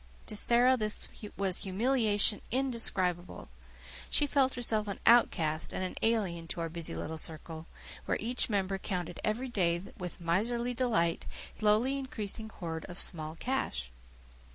To Sara, this was humiliation indescribable. She felt herself an outcast and an alien to our busy little circle, where each member counted every day, with miserly delight, his slowly increasing hoard of small cash.